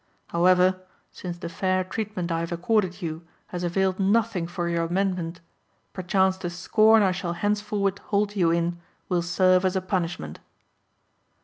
However, since the fair treatment I have accorded you has availed nothing for your amendment, perchance the scorn I shall henceforward hold you in will serve as a punishment."